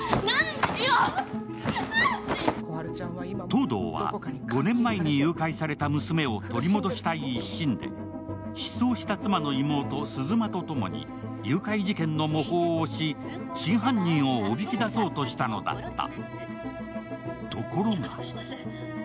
東堂は５年前に誘拐された娘を取り戻したい一心で失踪した妻の妹・鈴間と共に誘拐事件の模倣をし、真犯人をおびき出そうとしたのだった。